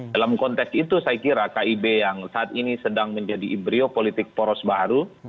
dalam konteks itu saya kira kib yang saat ini sedang menjadi ibrio politik poros baru